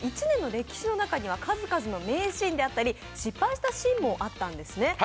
１年の歴史の中には数々の名シーンであったり失敗したシーンもあったんですね。